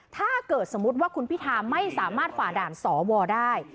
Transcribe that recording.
ถ้าเกิดสมมุติว่าคุณพิธาไม่สามารถฝ่าด่านสวได้